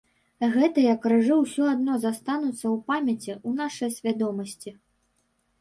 Гэтыя крыжы ўсё адно застануцца ў памяці, у нашай свядомасці.